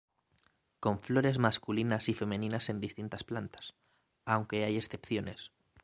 Con flores masculinas y femeninas en distintas plantas, aunque hay excepciones.